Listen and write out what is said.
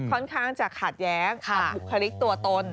ค่อนข้างจะขัดแย้งกับบุคลิกตัวตน